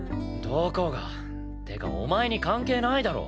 どこが？ってかお前に関係ないだろ。